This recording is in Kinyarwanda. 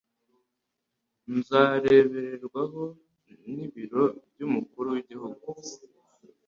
zarebererwaga n'Ibiro by'Umukuru w'Igihugu,